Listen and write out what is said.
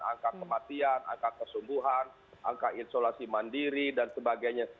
angka kematian angka kesembuhan angka isolasi mandiri dan sebagainya